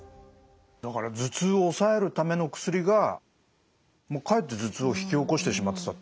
だから頭痛を抑えるための薬がもうかえって頭痛を引き起こしてしまってたっていう。